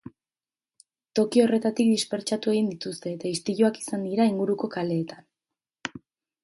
Toki horretatik dispertsatu egin dituzte, eta istiluak izan dira inguruko kaleetan.